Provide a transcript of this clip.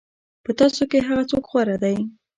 په تاسو کې هغه څوک غوره دی.